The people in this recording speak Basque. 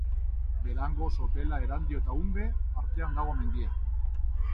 Berango, Sopela, Erandio eta Unbe artean dago mendia.